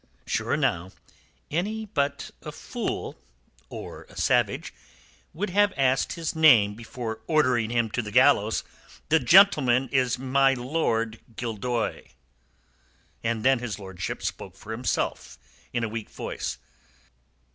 "Sure, now, any but a fool or a savage would have asked his name before ordering him to the gallows. The gentleman is my Lord Gildoy." And then his lordship spoke for himself, in a weak voice.